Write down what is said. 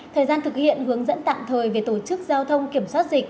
thời gian thực hiện hướng dẫn tạm thời về tổ chức giao thông kiểm soát dịch